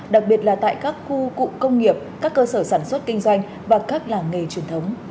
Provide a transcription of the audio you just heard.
đặc biệt là tại các khu cụ công nghiệp các cơ sở sản xuất kinh doanh và các làng nghề truyền thống